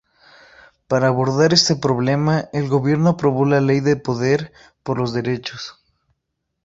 Para abordar este problema, el gobierno aprobó la Ley de Poder por los Derechos.